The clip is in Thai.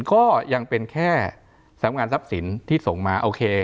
ก็ยังเป็นแค่สำงานทรัพย์สินที่ส่งมาโอเค